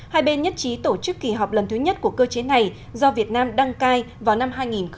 hai bên nhất trí tổ chức kỳ họp lần thứ nhất của cơ chế này do việt nam đăng cai vào năm hai nghìn hai mươi